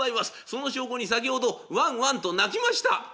その証拠に先ほどワンワンと鳴きました」。